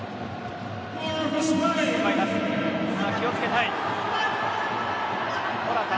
気を付けたい。